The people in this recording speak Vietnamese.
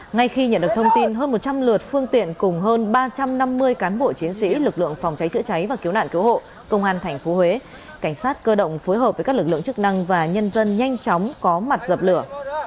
ngay khi nhận được thông tin hơn một trăm linh lượt phương tiện cùng hơn ba trăm năm mươi cán bộ chiến sĩ lực lượng phòng cháy chữa cháy và cứu nạn cứu hộ công an tp huế cảnh sát cơ động phối hợp với các lực lượng chức năng và nhân dân nhanh chóng có mặt dập lửa